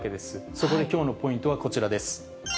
そこできょうのポイントはこちらです。